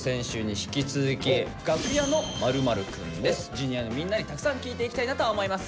Ｊｒ．のみんなにたくさん聞いていきたいなと思います。